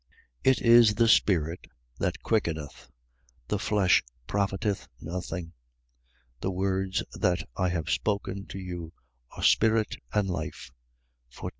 It is the spirit that quickeneth: the flesh profiteth nothing. The words that I have spoken to you are spirit and life.